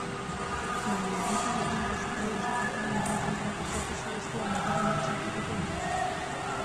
Baina herritar arrunta izatera pasatakoan bere kontrako prozesu guztiak berriro martxan jarriko dira.